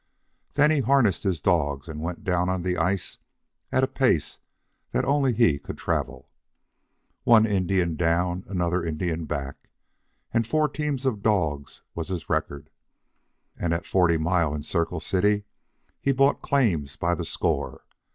Then he harnessed his dogs and went down on the ice at a pace that only he could travel. One Indian down, another Indian back, and four teams of dogs was his record. And at Forty Mile and Circle City he bought claims by the score.